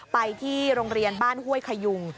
ไปที่โรงเรียนบ้านห้วยขยุง